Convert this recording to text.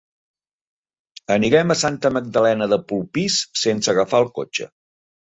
Anirem a Santa Magdalena de Polpís sense agafar el cotxe.